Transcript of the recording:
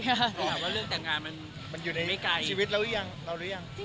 แต่ว่าเรื่องแต่งงานมันอยู่ในชีวิตเราหรือยัง